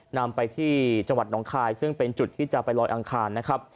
นำไปที่จังหวัดหนองคายซึ่งเป็นจุดที่จะไปลอยอังคารนะครับ